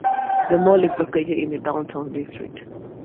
The mall is located in the downtown district.